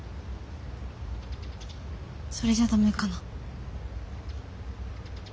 それじゃダメかな？